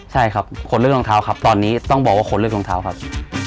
ใช่ครับคนเลือกรองเท้าครับตอนนี้ต้องบอกว่าคนเลือกรองเท้าครับ